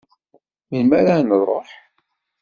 Melmi ara nruḥ?